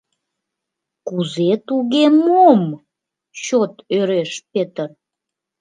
— Кузе-туге мом?! — чот ӧреш Пӧтыр.